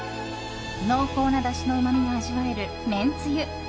濃厚なだしのうまみが味わえるめんつゆ。